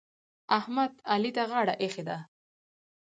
احمد؛ علي ته غاړه ايښې ده.